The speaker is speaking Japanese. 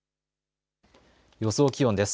予想気温です。